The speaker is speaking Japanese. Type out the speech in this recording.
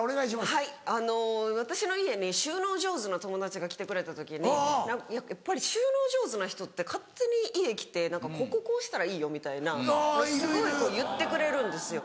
はいあの私の家に収納上手な友達が来てくれた時にやっぱり収納上手な人って勝手に家来て「こここうしたらいいよ」みたいなすごい言ってくれるんですよ。